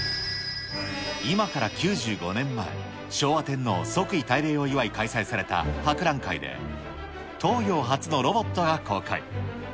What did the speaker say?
今から９５年前、昭和天皇即位大礼を祝い開催された博覧会で、東洋初のロボットが公開。